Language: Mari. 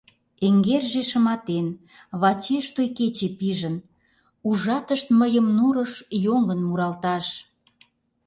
Эҥерже шыматен, вачеш той кече пижын, Ужатышт мыйым нурыш йоҥгын муралташ.